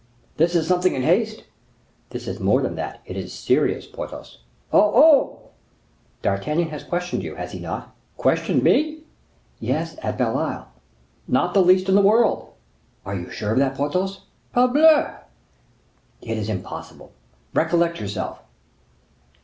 "This is something in haste?" "It is more than that, it is serious, Porthos." "Oh, oh!" "D'Artagnan has questioned you, has he not?" "Questioned me?" "Yes, at Belle Isle?" "Not the least in the world." "Are you sure of that, Porthos?" "Parbleu!" "It is impossible. Recollect yourself."